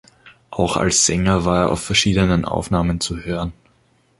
Auch als Sänger war er auf verschiedenen Aufnahmen zu hören.